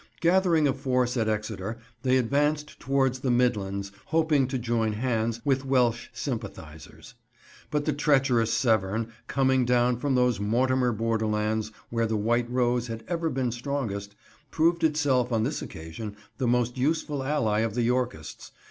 Gathering a force at Exeter, they advanced towards the midlands, hoping to join hands with Welsh sympathisers. But the treacherous Severn, coming down from those Mortimer borderlands where the White Rose had ever been strongest, proved itself on this occasion the most useful ally of the Yorkists.